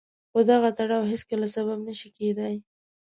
خو دغه تړاو هېڅکله سبب نه شي کېدای.